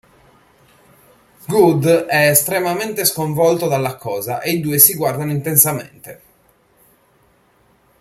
Good è estremamente sconvolto dalla cosa e i due si guardano intensamente.